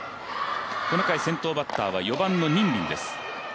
この回、先頭バッターは４番の任敏です。